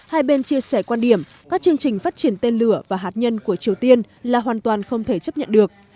hai bên chia sẻ quan điểm các chương trình phát triển tên lửa và hạt nhân của triều tiên là hoàn toàn không thể chấp nhận được